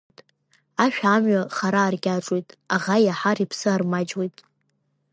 Ашәа амҩа хара аркьаҿуеит, аӷа иаҳар иԥсы армаҷуеит.